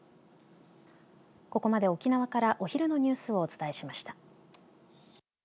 ここまで沖縄からお昼のニュースをお伝えしました。